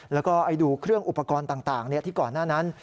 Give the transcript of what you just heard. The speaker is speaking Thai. แล้วก็ดูเครื่องอุปกรณ์ต่างที่ก่อนหน้านั้น